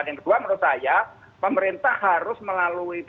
yang kedua menurut saya pemerintah harus melalui